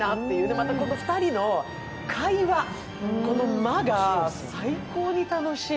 また２人の会話、この間が最高に楽しい。